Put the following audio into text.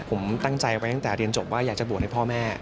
ผมตั้งใจไว้ตั้งแต่เรียนจบว่าอยากจะบวชให้พ่อแม่